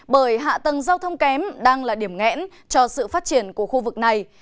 bởi hạ tầng giao thông kém đang là điểm nghẽn cho sự phát triển của khu vực này